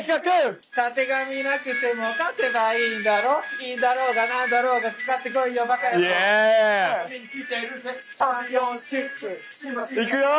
たてがみなくても勝てばいいんだろ韻だろうが何だろうが使ってこいよばか野郎いくよ！